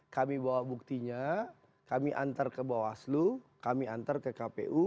kami bawa buktinya kami antar ke bawaslu kami antar ke kpu